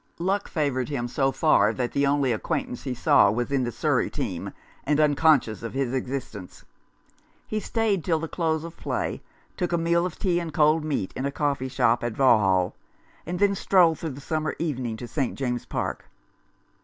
Luck favoured him so far that the only acquaint ance he saw was in the Surrey team, and uncon scious of his existence. He stayed till the close 35 Rough Justice. of play, took a meal of tea and cold meat in a coffee shop at Vauxhall, and then strolled through the summer evening to St. James's Park.